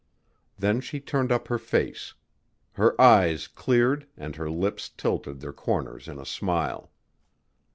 Then she turned up her face. Her eyes cleared and her lips tilted their corners in a smile.